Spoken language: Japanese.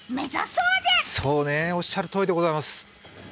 そうね、おっしゃるとおりでございます。